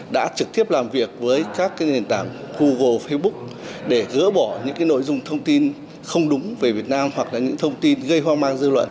đã trực tiếp làm việc với các nền tảng google facebook để gỡ bỏ những nội dung thông tin không đúng về việt nam hoặc là những thông tin gây hoang mang dư luận